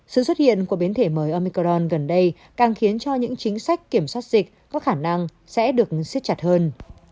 sự xuất hiện của biến thể mới omicron gần đây càng khiến cho những chính sách kiểm soát dịch có khả năng sẽ được xiết chặt hơn